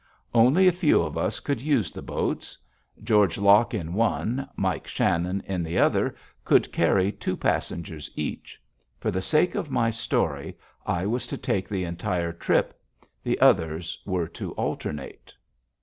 Only a few of us could use the boats. George Locke in one, Mike Shannon in the other, could carry two passengers each. For the sake of my story, I was to take the entire trip; the others were to alternate.